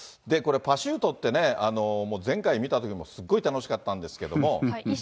パシュートってね、もう前回見たときもすごい楽しかったんですけども。